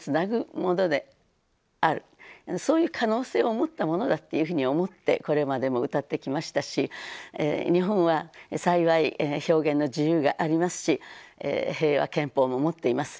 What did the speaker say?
そういう可能性を持ったものだっていうふうに思ってこれまでも歌ってきましたし日本は幸い表現の自由がありますし平和憲法も持っています。